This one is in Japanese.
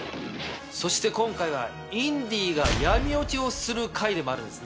そして今回はインディが闇落ちをする回でもあるんですね。